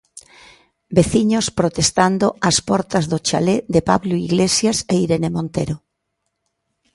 Veciños protestando ás portas do chalé de Pablo Iglesias e Irene Montero.